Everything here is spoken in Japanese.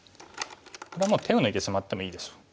これは手を抜いてしまってもいいでしょう。